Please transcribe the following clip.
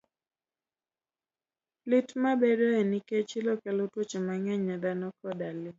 Lit ma bedoe nikech chilo kelo tuoche mang'eny ne dhano koda le.